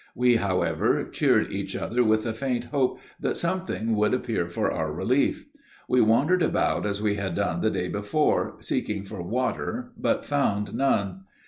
We, however, cheered each other with the faint hope that some thing would appear for our relief. We wandered about as we had done the day before, seeking for water but found none.